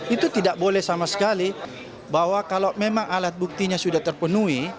itu tidak boleh sama sekali bahwa kalau memang alat buktinya sudah terpenuhi